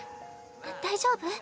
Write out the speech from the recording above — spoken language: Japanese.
大丈夫？